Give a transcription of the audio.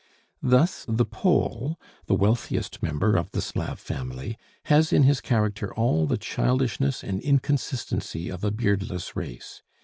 Thus the Pole, the wealthiest member of the Slav family, has in his character all the childishness and inconsistency of a beardless race.